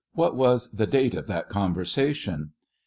What was the date of that conversation